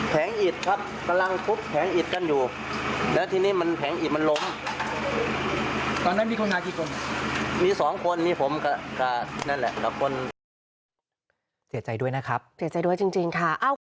เสียใจด้วยนะครับเสียใจด้วยจริงค่ะ